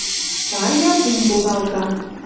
Тарья пум погалта